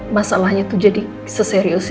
masalahnya tuh jadi seserius